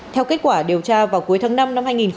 theo kết quả điều tra vào cuối tháng năm năm hai nghìn hai mươi